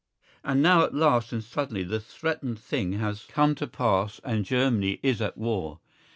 And now at last and suddenly the threatened thing has come to pass and Germany is at war.